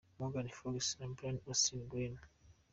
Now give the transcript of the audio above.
Megan Fox & Brian Austin Green.